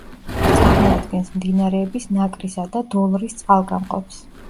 წარმოადგენს მდინარეების ნაკრისა და დოლრის წყალგამყოფს.